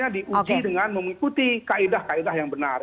di uji dengan mengikuti kaedah kaedah yang benar